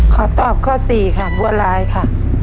ขอตอบข้อ๔ค่ะบัวร้ายค่ะ